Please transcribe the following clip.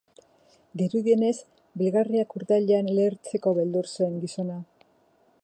Dirudienez, bilgarriak urdailean lehertzearen beldur zen gizona.